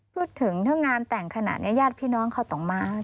พูดถึงถ้างานแต่งขนาดนี้ญาติพี่น้องเขาต้องมา